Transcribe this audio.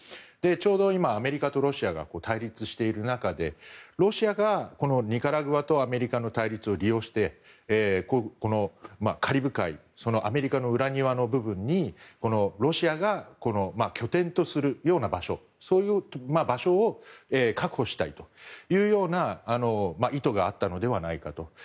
ちょうど今、アメリカとロシアが対立している中でロシアが、ニカラグアとアメリカの対立を利用してカリブ海アメリカの裏庭の部分にロシアが拠点とするような場所を確保したいというような意図があったのではないかと。